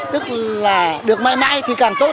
tức là được mãi mãi thì càng tốt